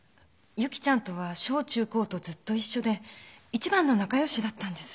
由紀ちゃんとは小中高とずっと一緒で一番の仲良しだったんです。